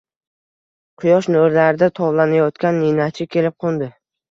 Quyosh nurlarida tovlanayotgan ninachi kelib qo’ndi.